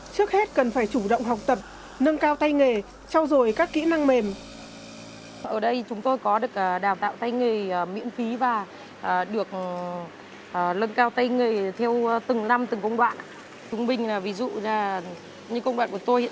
trước hết cần phải chủ động học tập nâng cao tay nghề